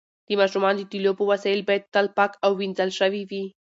د ماشومانو د لوبو وسایل باید تل پاک او وینځل شوي وي.